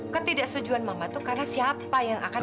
ketidak setujuan mama tuh karena siapa yang akan mengajaknya